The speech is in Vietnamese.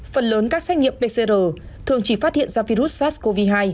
phần lớn các xét nghiệm pcr thường chỉ phát hiện ra virus sars cov hai